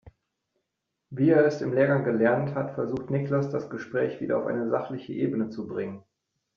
Wie er es im Lehrgang gelernt hat, versucht Niklas das Gespräch wieder auf eine sachliche Ebene zu bringen.